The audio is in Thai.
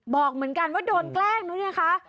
บอกเหมือนกันว่าโดนแกล้งดูค่ะ